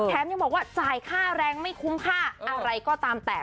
ยังบอกว่าจ่ายค่าแรงไม่คุ้มค่าอะไรก็ตามแต่